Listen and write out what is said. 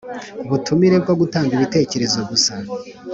Butumire bwo gutanga ibitekerezo gusa